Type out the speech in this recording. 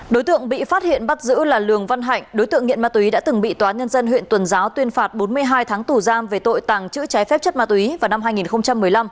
đối tượng bị phát hiện bắt giữ là lường văn hạnh đối tượng nghiện ma túy đã từng bị tòa nhân dân huyện tuần giáo tuyên phạt bốn mươi hai tháng tù giam về tội tàng trữ trái phép chất ma túy vào năm hai nghìn một mươi năm